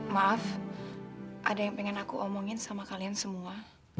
maaf ada yang pengen aku omongin sama kalian semua